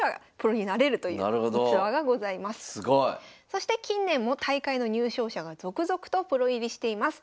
そして近年も大会の入賞者が続々とプロ入りしています。